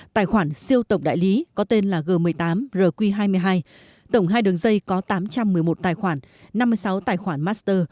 tài khoản siêu tổng đại lý có tên là g một mươi tám rq hai mươi hai tổng hai đường dây có tám trăm một mươi một tài khoản năm mươi sáu tài khoản master